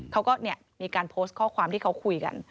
เขาก็มีการโพสต์ข้อความที่เขาคุยกัน